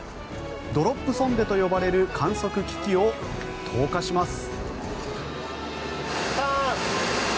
ドロップゾンデと呼ばれる観測機器を投下します。